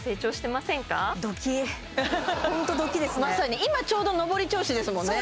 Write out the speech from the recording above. まさに今ちょうど上り調子ですもんね